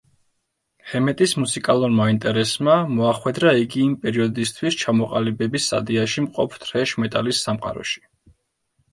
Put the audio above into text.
ჰემეტის მუსიკალურმა ინტერესმა მოახვედრა იგი იმ პერიოდისთვის ჩამოყალიბების სტადიაში მყოფ თრეშ მეტალის სამყაროში.